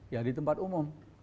ya di tempat umum